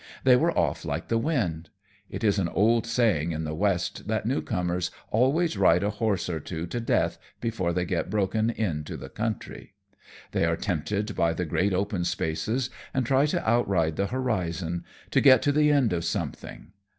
They were off like the wind. It is an old saying in the West that new comers always ride a horse or two to death before they get broken in to the country. They are tempted by the great open spaces and try to outride the horizon, to get to the end of something.